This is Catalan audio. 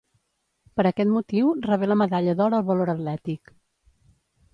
Per aquest motiu rebé la Medalla d'Or al Valor Atlètic.